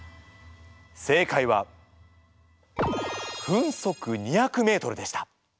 正解は分速２００ｍでした。